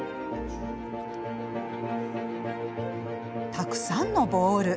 たくさんのボウル。